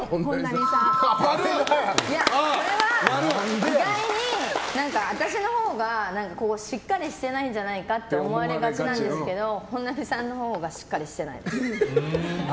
これは意外に私のほうがしっかりしてないんじゃないかと思われがちなんですけど本並さんのほうがしっかりしてない。